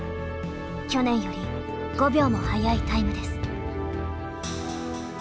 去年より５秒も速いタイムです。